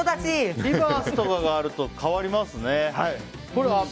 リバースとかがあると変わりますね。